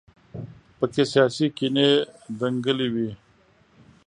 په کې سیاسي کینې دنګلې وي.